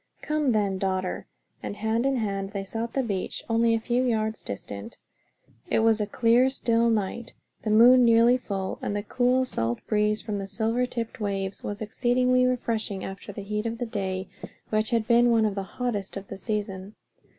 "Come then, daughter," and hand in hand they sought the beach, only a few yards distant. It was a clear still night, the moon nearly at the full, and the cool salt breeze from the silver tipped waves was exceedingly refreshing after the heat of the day; which had been one of the hottest of the season.